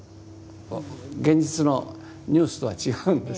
現実のニュースとは違うんです。